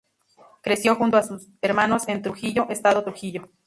Creció junto a su hermanos en Trujillo, Estado Trujillo.